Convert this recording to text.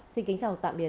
xin kính chào và tạm biệt